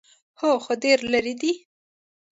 _هو، خو ډېر ليرې دی.